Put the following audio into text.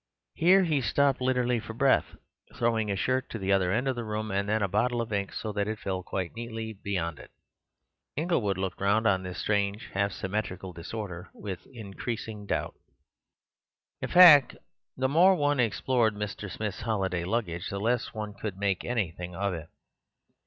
Here he stopped, literally for breath—throwing a shirt to the other end of the room, and then a bottle of ink so that it fell quite neatly beyond it. Inglewood looked round on this strange, half symmetrical disorder with an increasing doubt. In fact, the more one explored Mr. Smith's holiday luggage, the less one could make anything of it.